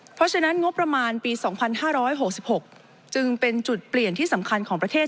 เพราะฉะนั้นงบประมาณปี๒๕๖๖จึงเป็นจุดเปลี่ยนที่สำคัญของประเทศ